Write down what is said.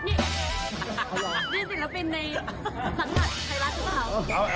นี่ศิลปินในสำหรับใครรักเจ็บเว้า